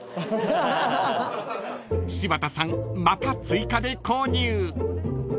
［柴田さんまた追加で購入］